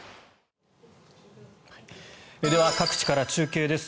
では、各地から中継です。